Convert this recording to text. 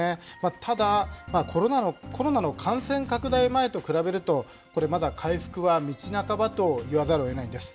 ただ、コロナの感染拡大前と比べると、これまだ回復は道半ばと言わざるをえないんです。